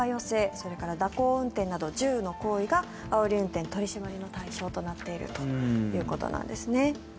それから蛇行運転など１０の行為があおり運転取り締まりの対象になっているということですね。